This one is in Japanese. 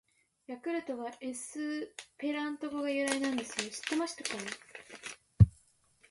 「ヤクルト」はエスペラント語が由来なんですよ！知ってましたか！！